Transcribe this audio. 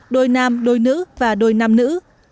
đôi nam đôi nữ và đôi nam nữ